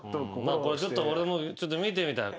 これちょっと俺も見てみたい。